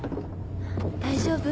大丈夫？